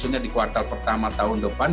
maksudnya di kuartal pertama tahun depan